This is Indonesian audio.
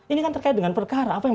ini kan terkait dengan perkara apa yang